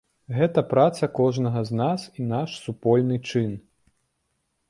Гэта праца кожнага з нас і наш супольны чын.